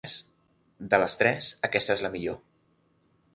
De les tres aquesta és la millor.